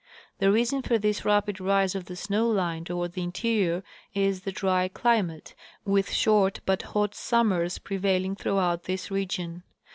The reason for this rapid rise of the snow line toward the interior is the dry climate, with short but hot summers prevailing throughout this region.